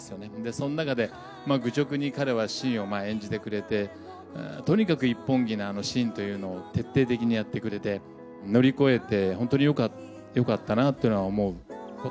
その中で、愚直に彼は信を演じてくれて、とにかく一本気なあの信というのを徹底的にやってくれて、乗り越えて、本当によかったなっていうのは思う。